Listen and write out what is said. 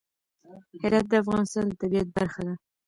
هرات د افغانستان د طبیعت برخه ده.